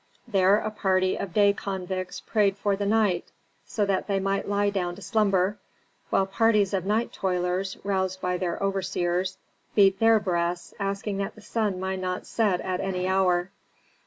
There a party of day convicts prayed for the night, so that they might lie down to slumber; while parties of night toilers, roused by their overseers, beat their breasts, asking that the sun might not set at any hour.